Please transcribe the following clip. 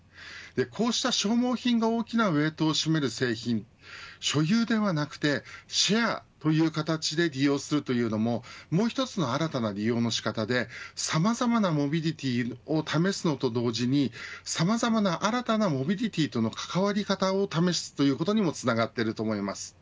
こうした消耗品が大きなウエイトを占める製品所有ではなくてシェアという形で利用するというのももう一つの新たな利用の仕方でさまざまなモビリティを試すのと同時にさまざまな新たなモビリティとの関わり方を試すということにもつながっていると思います。